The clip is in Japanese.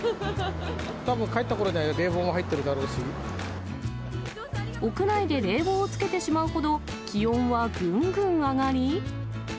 たぶん帰ったころには冷房も入っ屋内で冷房をつけてしまうほど、気温はぐんぐん上がり。